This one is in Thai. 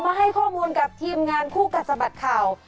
ออกมาให้ข้อมูลกับทีมงานคู่กัศบัตรข่าว